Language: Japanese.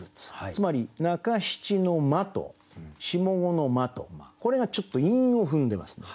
つまり中七の「曲」と下五の「磨」とこれがちょっと韻を踏んでますね。